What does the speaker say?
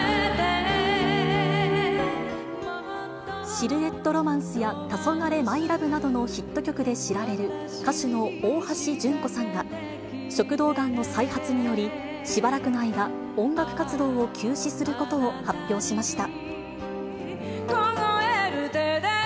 シルエット・ロマンスや、たそがれマイ・ラブなどのヒット曲で知られる、歌手の大橋純子さんが、食道がんの再発により、しばらくの間、音楽活動を休止することを発表しました。